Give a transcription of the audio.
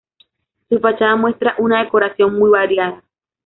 Su fachada muestra una decoración muy variada.